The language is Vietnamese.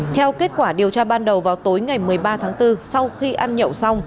theo kết quả điều tra ban đầu vào tối ngày một mươi ba tháng bốn sau khi ăn nhậu xong